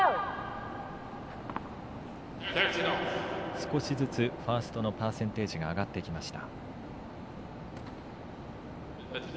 少しずつファーストのパーセンテージが上がってきました。